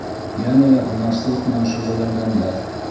Йәнә лә һунарсылыҡ менән шөғөлләнгәндәр.